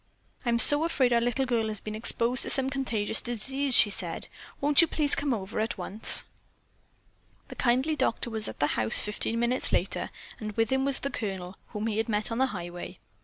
"I'm so afraid our little girl has been exposed to some contagious disease," she said. "Won't you please come over at once?" The kindly doctor was at the house fifteen minutes later and with him was the Colonel, whom he had met on the highway.